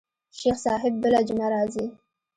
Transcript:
شيخ صاحب بله جمعه راځي.